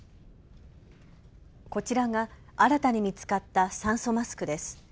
こちらが新たに見つかった酸素マスクです。